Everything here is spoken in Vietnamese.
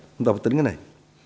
chúng ta phải tính cái này